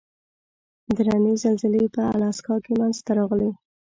درنې زلزلې په الاسکا کې منځته راغلې.